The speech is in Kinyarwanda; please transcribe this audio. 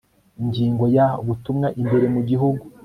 Ingingo ya Ubutumwa imbere mu gihugu